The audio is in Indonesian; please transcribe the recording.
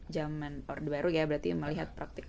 zaman orde baru ya berarti melihat praktik